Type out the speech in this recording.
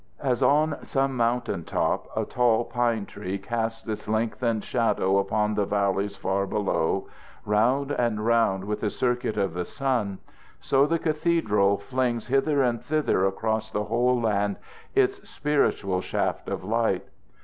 As on some mountain top a tall pine tree casts its lengthened shadow upon the valleys far below, round and round with the circuit of the sun, so the cathedral flings hither and thither across the whole land its spiritual shaft of light.